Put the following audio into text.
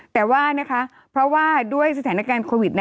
แต่ว่านะคะเพราะว่าด้วยสถานการณ์โควิด